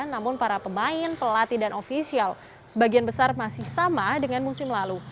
namun para pemain pelatih dan ofisial sebagian besar masih sama dengan musim lalu